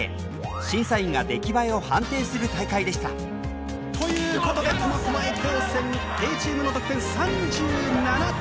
審査員が出来栄えを判定する大会でした。ということで苫小牧高専Ａチームの得点３７点。